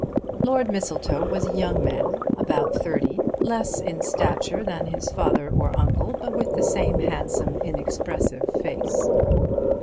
Lord Mistletoe was a young man about thirty, less in stature than his father or uncle, but with the same handsome inexpressive face.